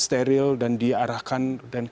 steril dan diarahkan